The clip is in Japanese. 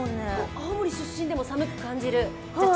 青森出身でも寒く感じる？